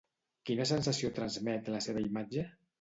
Quina sensació transmet la seva imatge?